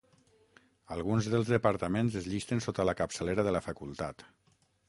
Alguns dels departaments es llisten sota la capçalera de la facultat.